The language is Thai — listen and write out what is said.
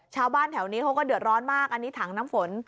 ชาวบ้านแถวนี้เขาก็เดือดร้อนมากอันนี้ถังน้ำฝน